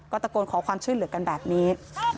ตะโกนขอความช่วยเหลือกันแบบนี้